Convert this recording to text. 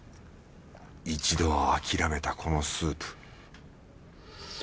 一度は諦めたこのスープ。